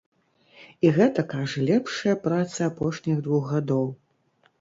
І гэта, кажа, лепшыя працы апошніх двух гадоў.